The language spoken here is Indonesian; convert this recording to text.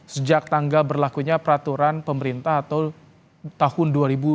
sejak tanggal berlakunya peraturan pemerintah atau tahun dua ribu dua puluh